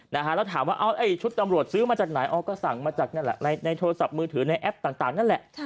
แล้วถามว่าชุดตำรวจซื้อมาจากไหนก็สั่งมาจากโทรศัพท์มือถือในแอปต่างนั่นแหละ